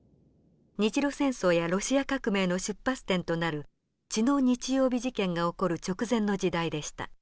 日露戦争やロシア革命の出発点となる血の日曜日事件が起こる直前の時代でした。